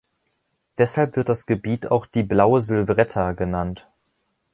Deshalb wird das Gebiet auch „Die Blaue Silvretta“ genannt.